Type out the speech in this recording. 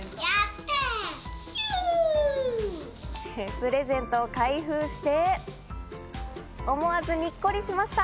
プレゼントを開封して、思わずにっこりしました。